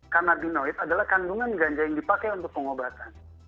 kanabinoid adalah kandungan ganja yang dipakai untuk pengobatan